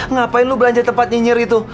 ngapain lu belanja tempat nyinyir itu